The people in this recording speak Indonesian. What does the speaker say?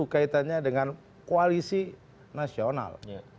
kaitannya dengan koalisi nasional